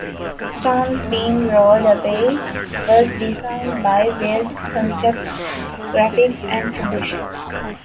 "Stone's Been Rolled Away" was designed by Wyld Concepts Graphics and Promotions.